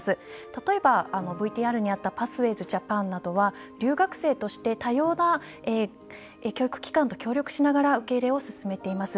例えばＶＴＲにあったパスウェイズ・ジャパンなどは留学生として多様な教育機関と協力しながら受け入れを進めています。